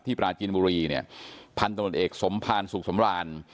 ที่ปราจินบุรีเนี่ยพันธนตรวจเอกสมภารสุขสมรรณ